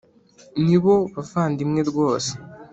nibo bavandimwe rwose